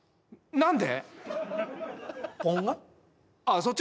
何で？